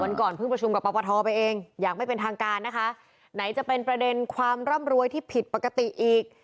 ก่อนเพิ่งประชุมกับปปทไปเองอย่างไม่เป็นทางการนะคะไหนจะเป็นประเด็นความร่ำรวยที่ผิดปกติอีก